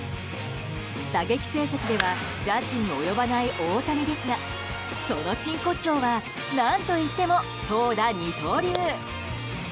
打撃成績ではジャッジに及ばない大谷ですがその真骨頂は何といっても投打二刀流。